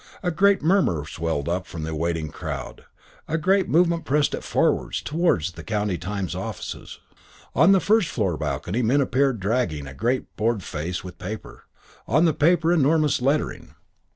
A great murmur swelled up from the waiting crowd, a great movement pressed it forward towards the County Times offices. On the first floor balcony men appeared dragging a great board faced with paper, on the paper enormous lettering.